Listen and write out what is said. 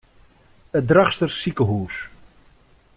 It Drachtster sikehús.